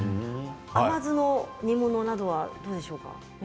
甘酢の煮物などはどうでしょうか？